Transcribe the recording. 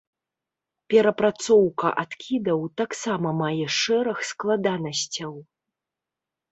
Перапрацоўка адкідаў таксама мае шэраг складанасцяў.